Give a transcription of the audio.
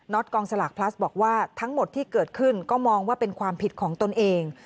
กองสลากพลัสบอกว่าทั้งหมดที่เกิดขึ้นก็มองว่าเป็นความผิดของตนเอง